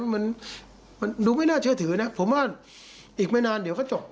มันดูไม่น่าเชื่อถือนะผมว่าอีกไม่นานเดี๋ยวก็จบ